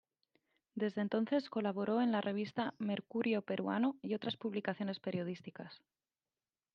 Desde entonces colaboró en la revista "Mercurio Peruano" y otras publicaciones periodísticas.